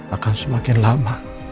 akan semakin lama